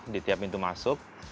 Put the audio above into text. di tiap pintu masuk